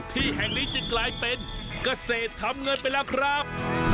ที่แห่งนี้จึงกลายเป็นเกษตรทำเงินไปแล้วครับ